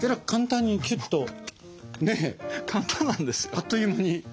あっという間に。